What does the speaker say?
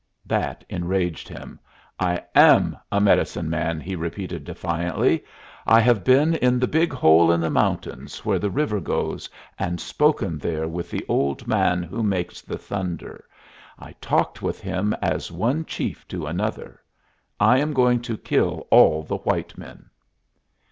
That enraged him. "I am a medicine man," he repeated, defiantly. "I have been in the big hole in the mountains where the river goes, and spoken there with the old man who makes the thunder. I talked with him as one chief to another. I am going to kill all the white men."